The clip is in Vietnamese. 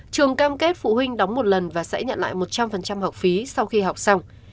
trường cam kết phụ huynh đóng một lần và sẽ nhận lại một trăm linh học phí sau khi học xong